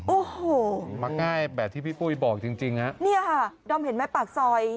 โอ้โหมาง่ายแบบที่พี่ปุ้ยบอกจริงจริงฮะเนี่ยค่ะดอมเห็นไหมปากซอย